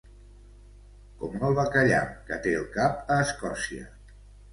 Com el bacallà, que té el cap a Escòcia.